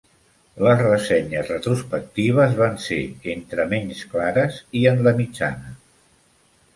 Les ressenyes retrospectives van ser entre menys clares i en la mitjana.